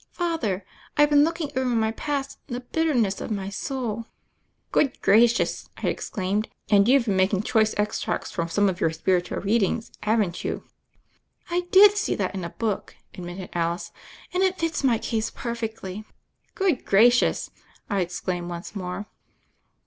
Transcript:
"Father, I've been looking over my past in the bitterness of my soul." "Good gracious 1" I exclaimed: "and you've been making choice extracts from some of your spiritual readings, haven't you?" "I did see that in a book," admitted Alice, "and it fits my case perfectly." "Good gracious!" I exclaimed once more.